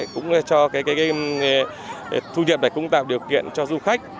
cũng cho thu nhập tạo điều kiện cho du khách